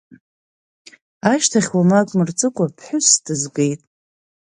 Ашьҭахь уамак мырҵыкәа ԥҳәысс дызгеит.